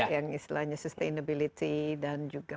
yang istilahnya sustainability dan juga